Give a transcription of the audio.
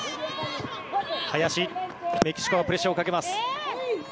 メキシコがプレッシャーをかけます。